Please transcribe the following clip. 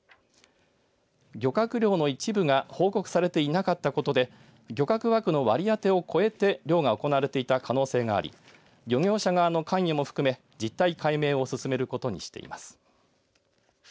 漁獲量の一部が報告されていなかったことで漁獲枠の割り当てを越えて漁が行われていた可能性があり漁業者側の関与も含め事態解明を進めることにしています。